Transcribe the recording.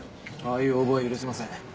ああいう横暴は許せません。